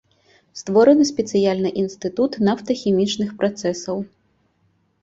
Створаны спецыяльны інстытут нафтахімічных працэсаў.